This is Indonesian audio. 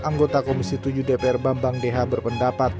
anggota komisi tujuh dpr bambang deha berpendapat